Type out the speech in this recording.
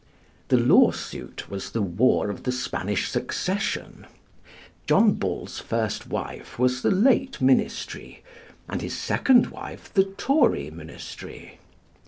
The lawsuit was the War of the Spanish Succession; John Bull's first wife was the late ministry; and his second wife the Tory ministry.